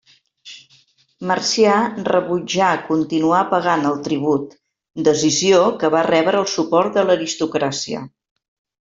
Marcià rebutjà continuar pagant el tribut, decisió que va rebre el suport de l'aristocràcia.